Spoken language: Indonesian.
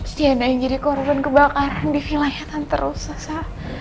si yana yang jadi korban kebakaran di vilayatan terus sasa